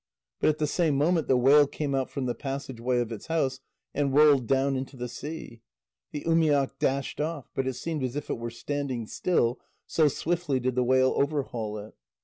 But at the same moment, the whale came out from the passage way of its house, and rolled down into the sea. The umiak dashed off, but it seemed as if it were standing still, so swiftly did the whale overhaul it.